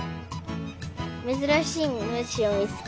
めずらしいむしをみつけたい。